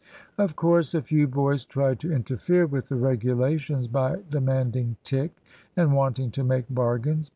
Of course, a few boys tried to interfere with the regulations by demanding "tick," and wanting to make bargains.